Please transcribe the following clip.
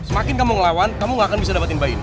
semakin kamu ngelawan kamu gak akan bisa dapetin bayi